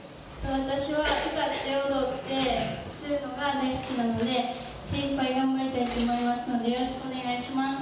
私は歌って踊ってするのが大好きなので精いっぱい頑張りたいと思いますのでよろしくお願いします